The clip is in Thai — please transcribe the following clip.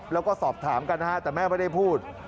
แล้วก็สอบถามกันนะฮะแต่แม่ไม่ได้พูด